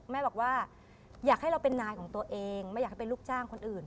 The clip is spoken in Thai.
แม่บอกว่าอยากให้เราเป็นนายของตัวเองไม่อยากให้เป็นลูกจ้างคนอื่น